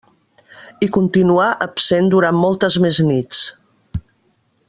I continuà absent durant moltes més nits.